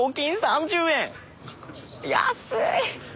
安い。